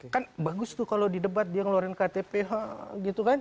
kan bagus tuh kalau di debat dia ngeluarin ktph gitu kan